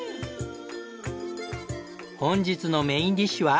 本日のメインディッシュは。